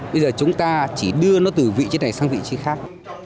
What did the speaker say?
bây giờ chúng ta chỉ đưa nó từ vị trí này sang vị trí khác